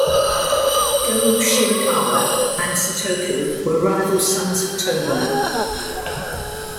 Go-Shirakawa and Sutoku were rival sons of Toba.